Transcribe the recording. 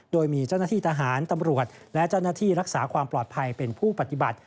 โดยมีเจ้าหน้าที่ทหารตำรวจและเจ้าหน้าที่รักษาความปลอดภัยเป็นผู้ปฏิบัติ